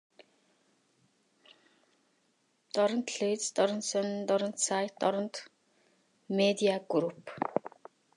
Улаанбаатар хотын хог, хаягдлын менежментэд Европын Холбооны стандартыг нэвтрүүлэхээр төлөвлөж байна.